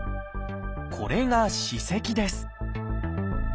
これが「歯石」です。